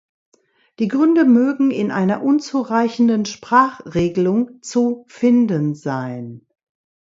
Die Gründe mögen in einer unzureichenden Sprachregelung zu finden sein.